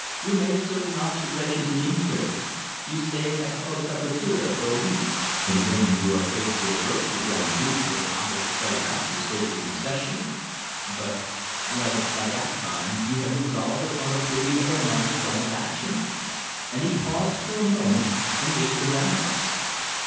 You made certain observations and inquiries. You stayed at the Hotel Brasseur for a week, and then, you were afraid to approach the Grand Duke with an offer to sell back the stolen concession, but well, by that time you had resolved upon a very pretty and romantic plan of action," and he paused for a moment and gazed around at us.